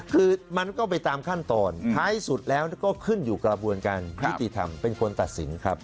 คือมันก็ไปตามขั้นตอนท้ายสุดแล้วก็ขึ้นอยู่กระบวนการยุติธรรมเป็นคนตัดสินครับ